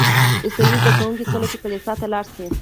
عیسوي زده کوونکي کله چې کلیسا ته لاړ شي.